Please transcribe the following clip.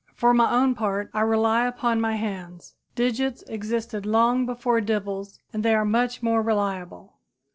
For my own part, I rely upon my hands. Digits existed long before dibbles and they are much more reliable.